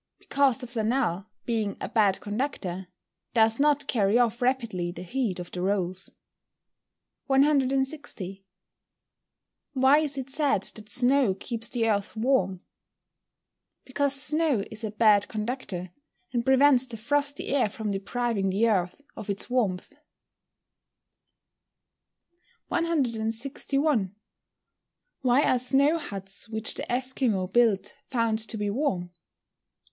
_ Because the flannel, being a bad conductor, does not carry off rapidly the heat of the rolls. 160. Why is it said that snow keeps the earth warm? Because snow is a bad conductor, and prevents the frosty air from depriving the earth of its warmth. 161. _Why are snow huts which the Esquimaux build found to be warm?